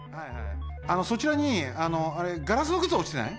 そちらにあのあれガラスのくつおちてない？